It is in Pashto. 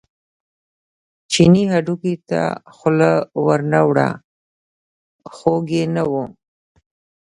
چیني هډوکي ته خوله ور نه وړه خوږ یې نه و.